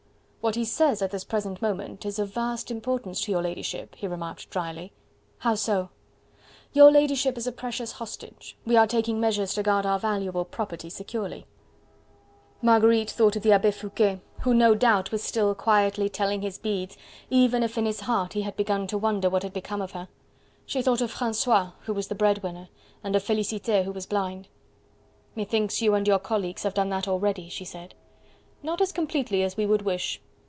"What he says at this present moment is of vast importance to your ladyship," he remarked drily. "How so?" "Your ladyship is a precious hostage. We are taking measures to guard our valuable property securely." Marguerite thought of the Abbe Foucquet, who no doubt was still quietly telling his beads, even if in his heart he had begun to wonder what had become of her. She thought of Francois, who was the breadwinner, and of Felicite, who was blind. "Methinks you and your colleagues have done that already," she said. "Not as completely as we would wish.